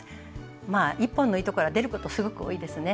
まあ１本の糸から出ることすごく多いですね。